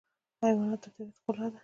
حیوانات د طبیعت ښکلا ده.